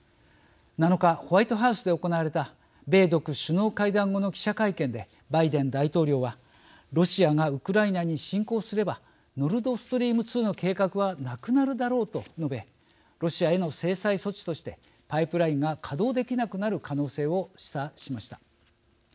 ７日、ホワイトハウスで行われた米独首脳会談後の記者会見でバイデン大統領はロシアがウクライナに侵攻すればノルドストリーム２の計画はなくなるだろうと述べロシアへの制裁措置としてパイプラインが稼働できなくなる可能性を示唆しました。